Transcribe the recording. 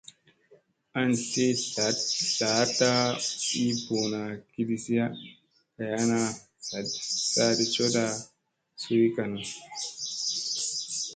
An tli laaɗa ii ɓuuna kiɗisiya kay ana saaɗi coɗa suy kanu.